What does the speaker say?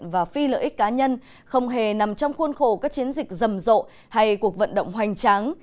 và phi lợi ích cá nhân không hề nằm trong khuôn khổ các chiến dịch rầm rộ hay cuộc vận động hoành tráng